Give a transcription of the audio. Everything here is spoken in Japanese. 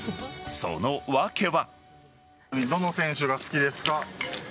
その訳は。